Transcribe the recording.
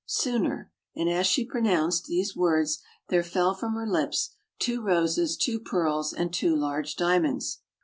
79 sooner," and as she pronounced these words there fell from her lips two roses, two pearls, and two large dia monds.